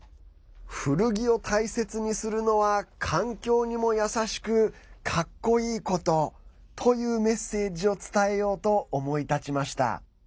古着を大切にするのは環境にも優しくかっこいいことというメッセージを伝えようと思い立ちました。